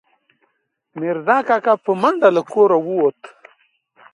میرزا کاکا، په منډه له کوره ووت